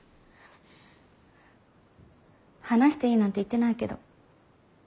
話していいなんて言ってないけど。